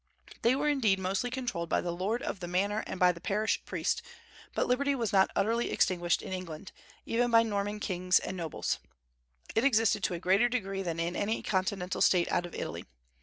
They were indeed mostly controlled by the lord of the manor and by the parish priest, but liberty was not utterly extinguished in England, even by Norman kings and nobles; it existed to a greater degree than in any continental State out of Italy.